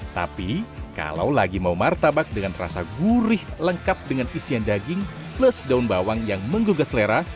tapi kalau lagi mau martabak dengan rasa gurih lengkap dengan isian daging plus daun bawang yang menggugah selera